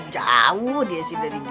jauh dia sih dari gitu